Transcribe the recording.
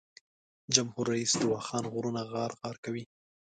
جمهور رییس د واخان غرونه غار غار کوي.